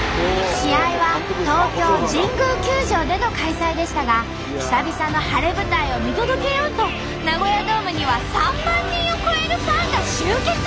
試合は東京神宮球場での開催でしたが久々の晴れ舞台を見届けようとナゴヤドームには３万人を超えるファンが集結。